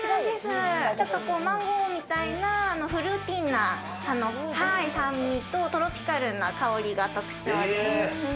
ちょっとマンゴーみたいなフルーティーな酸味とトロピカルな香りが特徴で。